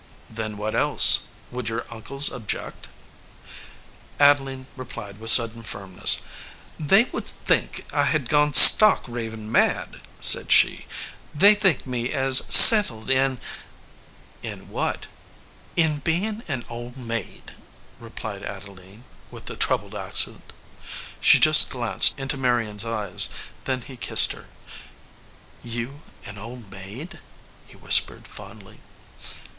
"Then what else? Would your uncles ob ject?" Adeline replied with sudden firmness. "They would think I had gone stark, staring mad," said she. "They think me as settled in " "In what?" "In being an old maid," replied Adeline, with ? 64 THE VOICE OF THE CLOCK troubled accent. She just glanced into Marion s eyes. Then he kissed her. "You an old maid!" he whispered, fondly.